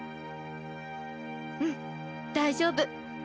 うん大丈夫。